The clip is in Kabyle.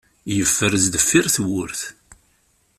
Yeffer sdeffir tewwurt.